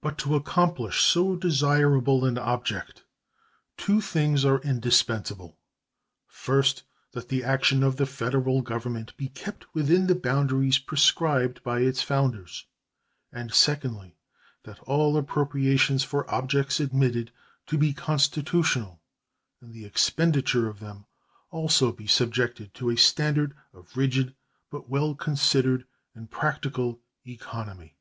But to accomplish so desirable an object two things are indispensable: First, that the action of the Federal Government be kept within the boundaries prescribed by its founders, and, secondly, that all appropriations for objects admitted to be constitutional, and the expenditure of them also, be subjected to a standard of rigid but well considered and practical economy.